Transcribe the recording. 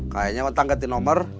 kayaknya otang ganti nomer